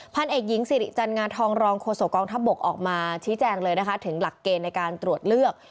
เอกหญิงสิริจันงาทองรองโฆษกองทัพบกออกมาชี้แจงเลยนะคะถึงหลักเกณฑ์ในการตรวจเลือก